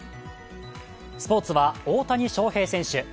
スポーツは大谷翔平選手。